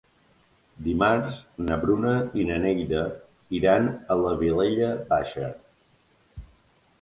Dimarts na Bruna i na Neida iran a la Vilella Baixa.